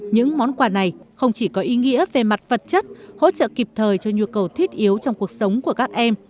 những món quà này không chỉ có ý nghĩa về mặt vật chất hỗ trợ kịp thời cho nhu cầu thiết yếu trong cuộc sống của các em